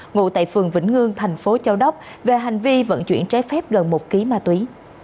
ngụ tại phường vĩnh ngương thành phố châu đốc về hành vi vận chuyển trái phép gần một kg ma túy